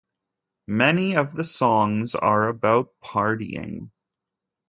Many of the songs are about partying.